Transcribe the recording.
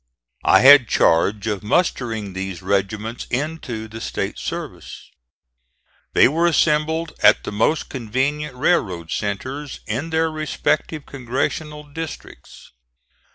I had charge of mustering these regiments into the State service. They were assembled at the most convenient railroad centres in their respective congressional districts.